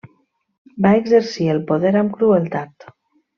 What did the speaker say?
Va exercir el poder amb crueltat.